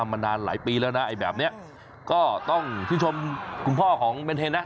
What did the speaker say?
มานานหลายปีแล้วนะไอ้แบบนี้ก็ต้องชื่นชมคุณพ่อของเบนเทนนะ